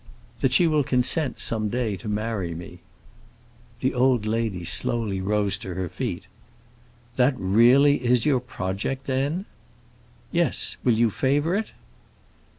"That she will consent, some day, to marry me." The old lady slowly rose to her feet. "That really is your project, then?" "Yes; will you favor it?"